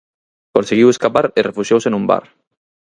Conseguiu escapar e refuxiouse nun bar.